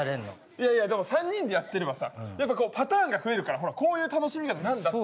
いやいやでも３人でやってればさやっぱこうパターンが増えるからほらこういう楽しみだってなんだって。